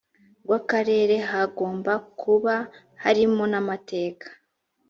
rw akarere hagomba kuba harimo n amateka